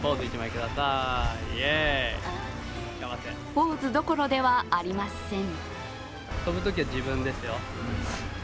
ポーズどころではありません。